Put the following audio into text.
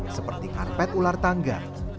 seperti karpet ular tangga